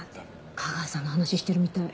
架川さんの話してるみたい。